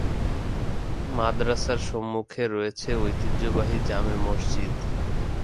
মাদ্রাসার সম্মুখে রয়েছে ঐতিহ্যবাহী জামে মসজিদ।